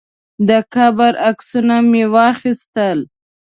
د قبر عکسونه مې واخیستل.